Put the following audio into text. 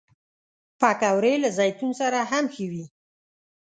پکورې له زیتون سره هم ښه وي